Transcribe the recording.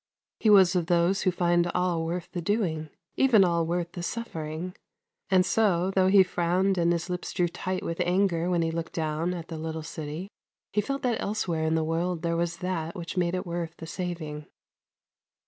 He was of those who find all worth the doing, even all worth the sufifering; and so, though he frowned and his lips drew tight with anger when he looked down at the little city, he felt that elsewhere in the world there was that which made it worth the saving.